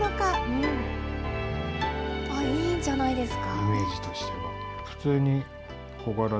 いいじゃないですか。